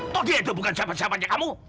toh dia itu bukan siapa siapanya kamu